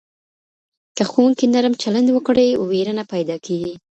که ښوونکی نرم چلند وکړي، ویره نه پیدا کېږي.